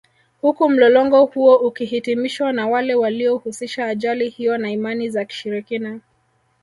Huku mlolongo huo ukihitimishwa na wale waliohusisha ajali hiyo na Imani za Kishirikina